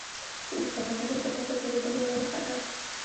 د سوداګرۍ په ټپه درېدل یوه نښه ده